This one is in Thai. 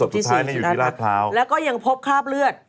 แต่ศพสุดท้ายอยู่ที่ลาดพร้าวแล้วก็ยังพบคราบเลือด